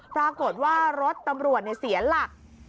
ปรากฏว่ารถตำรวจเสียหลัก